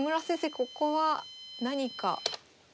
ここは何か。